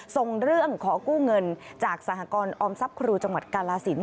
ส่งเรื่องขอกู้เงินจากสหกรออมทรัพย์ครูจังหวัดกาลสิน